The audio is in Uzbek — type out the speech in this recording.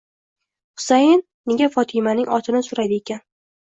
Husayin nega Fotimaning otini so'radiykan?